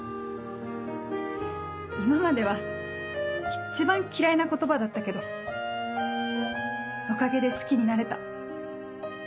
今までは一番嫌いな言葉だったけどおかげで好きになれた。